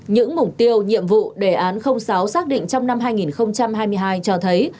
những mục tiêu nhiệm vụ đề án sáu xác định trong năm hai nghìn hai mươi hai cho thấy